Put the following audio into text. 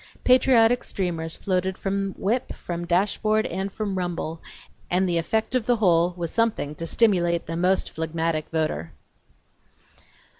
Patriotic streamers floated from whip, from dash board and from rumble, and the effect of the whole was something to stimulate the most phlegmatic voter.